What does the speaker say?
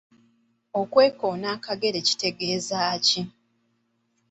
Okwekoona akagere kitegeeza ki?.